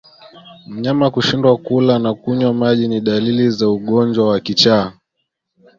Mnyama kushindwa kula na kunywa maji ni dalili za ugonjwa wa kichaa